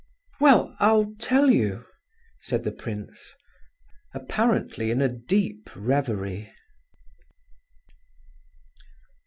"Well, I'll tell you," said the prince, apparently in a deep reverie.